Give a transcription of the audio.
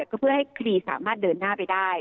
ก็เพื่อให้คดีสามารถเดินหน้าไปได้